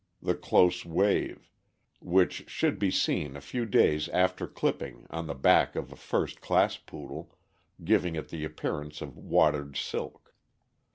the close wave, which should be seen a few days after clipping on the back of a first class Poodle, giving it the appearance of watered silk.